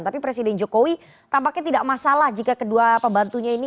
tapi presiden jokowi tampaknya tidak masalah jika kedua pembantunya ini